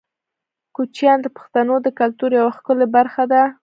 کوچیان د پښتنو د کلتور یوه ښکلې برخه ده.